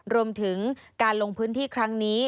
รวมถึงการลงพื้นที่ครั้งนี้